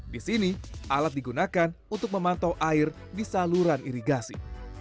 di sini alat digunakan untuk memantau air di saluran irigasi